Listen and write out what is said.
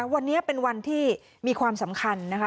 วันนี้เป็นวันที่มีความสำคัญนะคะ